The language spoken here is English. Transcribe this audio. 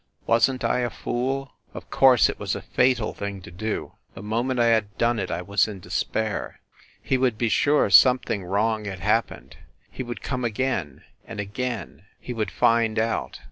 Wasn t I a fool ? Of course it was a fatal thing to do. ... The moment I had done it I was in despair. He would be sure something wrong had happened ... he would come again ... and again ... he would find out.